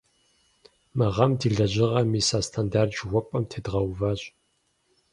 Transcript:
Мы гъэм ди лэжьыгъэр мис а стандарт жыхуэпӀэм тедгъэуващ.